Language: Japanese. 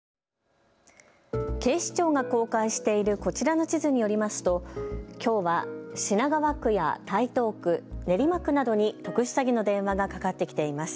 警視庁が公開しているこちらの地図によりますときょうは品川区や台東区、練馬区などに特殊詐欺の電話がかかってきています。